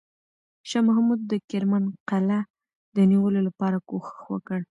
شاه محمود د کرمان قلعه د نیولو لپاره کوښښ وکړ.